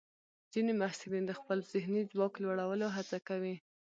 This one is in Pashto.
ځینې محصلین د خپل ذهني ځواک لوړولو هڅه کوي.